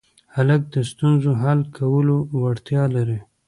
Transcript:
هلک د ستونزو حل کولو وړتیا لري.